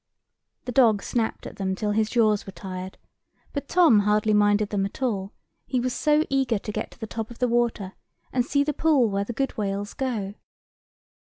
The dog snapped at them till his jaws were tired; but Tom hardly minded them at all, he was so eager to get to the top of the water, and see the pool where the good whales go.